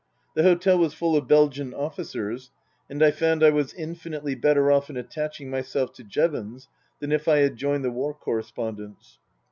The hotel was full of Belgian officers, and I found I was infinitely bettor off in attaching myself to Jevons than if I had joined the war correspondents.